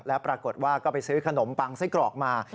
แล้วปรากฏว่าก็ไปซื้อขนมปังไส้กรอกมา